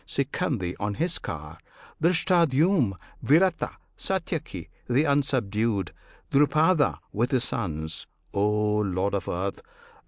Sikhandi on his car, Dhrishtadyumn, Virata, Satyaki the Unsubdued, Drupada, with his sons, (O Lord of Earth!)